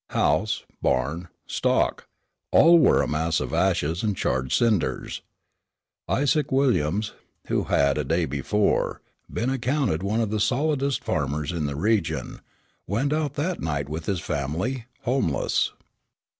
House, barn, stock, all, were a mass of ashes and charred cinders. Isaac Williams, who had a day before, been accounted one of the solidest farmers in the region, went out that night with his family homeless.